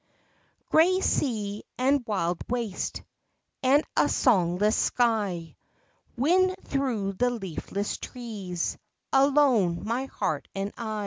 6 rey sea and wild waste And a songless sky; Wind through the leafless trees; Alone my heart and I.